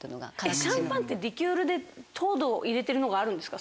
シャンパンってリキュールで糖度を入れてるのがあるんですか？